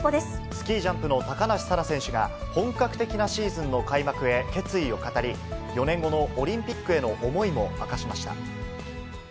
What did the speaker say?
スキージャンプの高梨沙羅選手が、本格的なシーズンの開幕へ、決意を語り、４年後のオリンピックへの思いも明かしました。